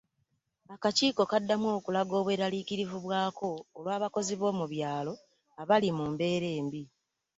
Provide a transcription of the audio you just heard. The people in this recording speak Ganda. Akakiiko kaddamu okulaga obweraliikirivu bwako olw’abakozi b’omu byalo abali mu mbeera embi.